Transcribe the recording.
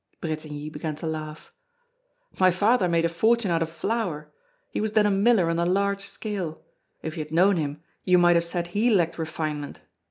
Bretigny began to laugh: "My father made a fortune out of flour; he was then a miller on a large scale. If you had known him, you might have said he lacked refinement.